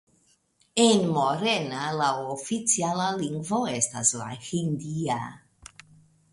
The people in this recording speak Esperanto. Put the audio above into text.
En Morena la oficiala lingvo estas la hindia.